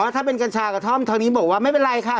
ถ้าเป็นกัญชากระท่อมทางนี้บอกว่าไม่เป็นไรค่ะ